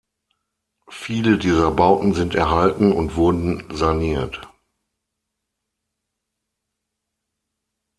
Viele dieser Bauten sind erhalten und wurden saniert.